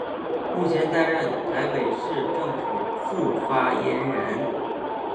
目前担任台北市政府副发言人。